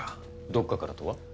どっかからとは？